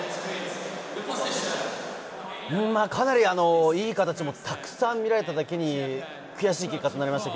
かなりいい形もたくさん見られただけに、悔しい結果となりました。